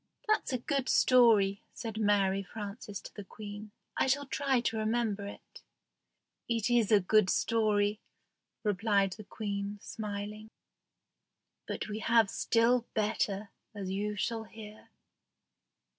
"That's a good story," said Mary Frances to the Queen. "I shall try to remember it." "It is a good story," replied the Queen, smiling; "but we have still better, as you shall hear."